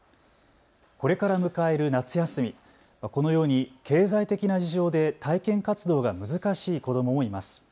これから迎える夏休み、このように経済的な事情で体験活動が難しい子どももいます。